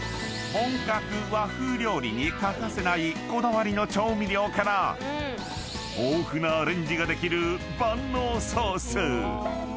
［本格和風料理に欠かせないこだわりの調味料から豊富なアレンジができる万能ソース］